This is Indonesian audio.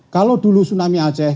kalau dulu tsunami aceh